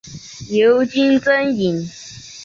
尤金真蚓。